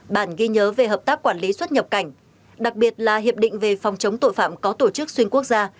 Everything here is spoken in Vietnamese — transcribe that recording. bản ghi nhớ về hợp tác quản lý xuất nhập cảnh đặc biệt là hiệp định về phòng chống tội phạm có tổ chức xuyên quốc gia